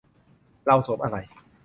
เราสวมอะไร